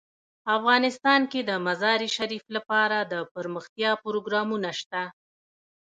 افغانستان کې د مزارشریف لپاره دپرمختیا پروګرامونه شته.